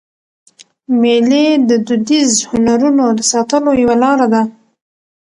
مېلې د دودیزو هنرونو د ساتلو یوه لاره ده.